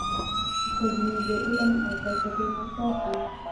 غزني د علم او فلسفې مرکز و.